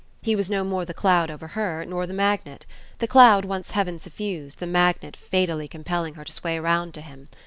He was no more the cloud over her, nor the magnet; the cloud once heaven suffused, the magnet fatally compelling her to sway round to him.